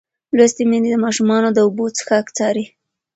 لوستې میندې د ماشومانو د اوبو څښاک څاري.